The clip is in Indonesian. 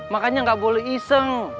makanya gak boleh iseng